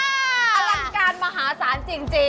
อลังการมหาศาลจริง